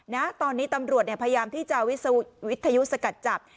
นะตอนนี้ตำรวจพยายามที่จะวิทยุสกัดจับ